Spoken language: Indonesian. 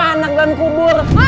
kita ingin diberanak dalam kubur